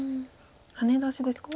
ハネ出しですか。